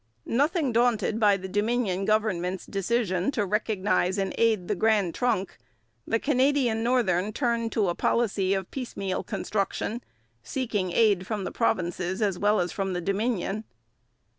Nothing daunted by the Dominion government's decision to recognize and aid the Grand Trunk, the Canadian Northern turned to a policy of piecemeal construction, seeking aid from the provinces as well as from the Dominion.